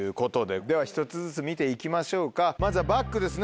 では１つずつ見ていきましょうかまずはバッグですね。